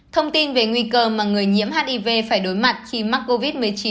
thông tin về nguy cơ mà người nhiễm hiv phải đối mặt khi mắc covid một mươi chín